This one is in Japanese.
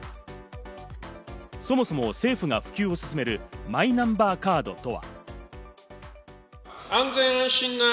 そもそも政府が普及を進めるマイナンバーカードとは。